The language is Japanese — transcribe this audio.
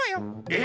え